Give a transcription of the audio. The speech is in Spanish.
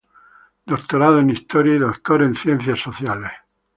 Doctorado en Historia y doctor en Ciencias Sociales.